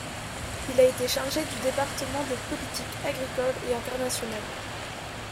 Il a été chargé du département des Politiques agricoles et internationales.